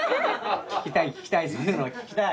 聞きたい聞きたい。